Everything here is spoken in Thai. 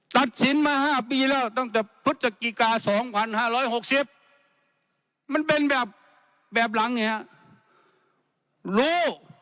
ตัดสินมา๕ปีแล้วตั้งแต่พฤศจิกา๒๕๖๐มันเป็นแบบหลังไงฮะรู้